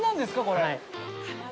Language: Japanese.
これ。